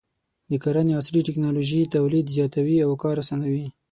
د کرنې عصري ټکنالوژي تولید زیاتوي او کار اسانوي.